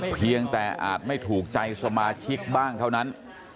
เพียงแต่อาจไม่ถูกใจสมาชิกบ้างเท่านั้น